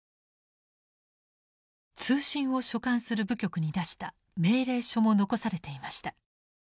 通信を所管する部局に出した命令書も残されていました。